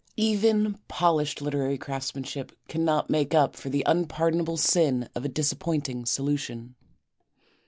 Even polished literary craftsmanship cannot make up for the unpardonable sin of a disappointing solution.